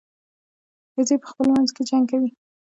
ښځې په خپلو منځو کې جنګ کوي.